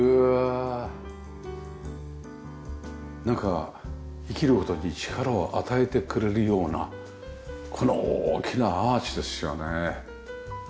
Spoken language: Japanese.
なんか生きる事に力を与えてくれるようなこの大きなアーチですよね。